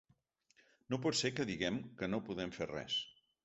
No pot ser que diguem que no podem fer res.